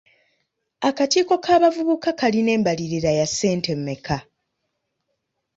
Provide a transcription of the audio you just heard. Akakiiko k'abavubuka kalina embalirira ya ssente mmeka?